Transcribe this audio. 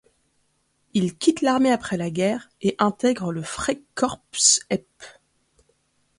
Il quitte l'armée après la guerre et intègre le Freikorps Epp.